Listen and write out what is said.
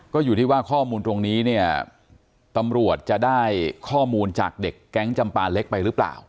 ก็อยู่ที่ว่าข้อมูลตรงนี้เนี่ยตำรวจจะได้ข้อมูลจากเด็กแก๊งจำปาเล็กไปหรือเปล่า